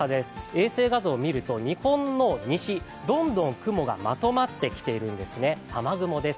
衛星画像を見ると、日本の西、どんどん雲がまとまってきているんですね、雨雲です。